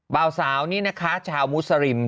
เบาสาวนี่นะคะชาวมุสลิม